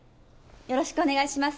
よろしくお願いします。